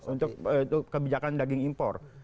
untuk kebijakan daging impor